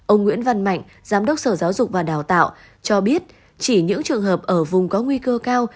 ông nguyễn văn mạnh giám đốc sở giáo dục và đào tạo cho biết chỉ những trường hợp ở vùng có nguy cơ cao